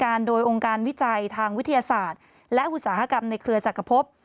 โดยองค์การวิจัยทางวิทยาศาสตร์และอุตสาหกรรมในเครือจักรพบ